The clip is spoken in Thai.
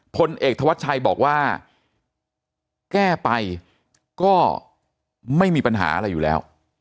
พลเอกธวัชชัยบอกว่าแก้ไปก็ไม่มีปัญหาอะไรอยู่แล้ว